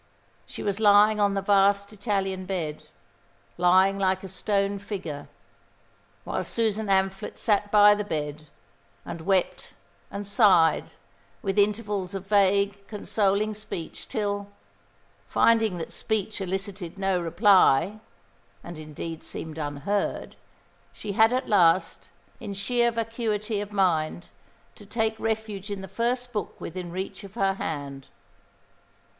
She was lying on the vast Italian bed, lying like a stone figure, while Susan Amphlett sat by the bed, and wept and sighed, with intervals of vague, consoling speech, till, finding that speech elicited no reply, and indeed seemed unheard, she had at last, in sheer vacuity of mind, to take refuge in the first book within reach of her hand.